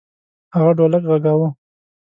هغه ډولک غږاوه.